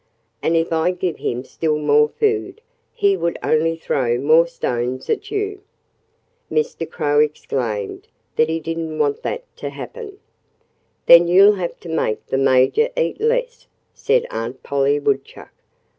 And if I gave him still more food he would only throw more stones at you." Mr. Crow exclaimed that he didn't want that to happen. "Then you'll have to make the Major eat less," said Aunt Polly Woodchuck.